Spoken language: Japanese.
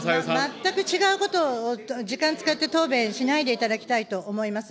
全く違うことを時間使って答弁しないでいただきたいと思います。